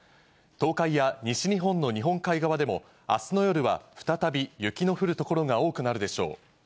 東海や西日本の日本海側でも、あすの夜は再び雪の降る所が多くなるでしょう。